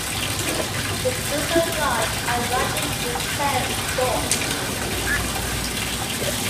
Its wings are broad and rounded and its tail is short.